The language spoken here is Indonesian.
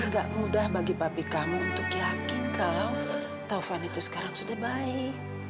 gak mudah bagi babi kami untuk yakin kalau taufan itu sekarang sudah baik